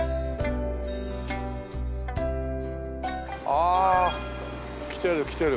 ああ来てる来てる。